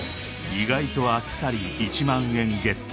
意外とあっさり１万円ＧＥＴ